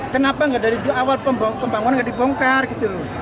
kenapa nggak dari awal pembangunan nggak dibongkar gitu loh